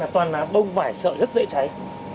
toàn là bông vải sợi rất dễ cháy